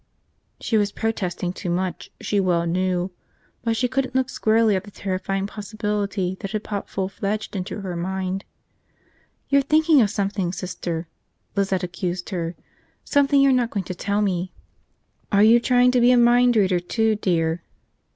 She was protesting too much, she well knew. But she couldn't look squarely at the terrifying possibility that had popped full fledged into her mind. "You're thinking of something, Sister," Lizette accused her. "Something you're not going to tell me." "Are you trying to be a mind reader, too, dear?"